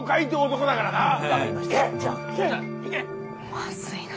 まずいな。